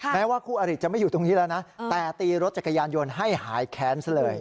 แม้ว่าคู่อริจะไม่อยู่ตรงนี้แล้วนะแต่ตีรถจักรยานยนต์ให้หายแค้นซะเลย